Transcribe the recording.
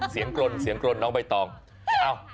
เสียงกรนเสียงกรนน้องใบตอร์เอ้า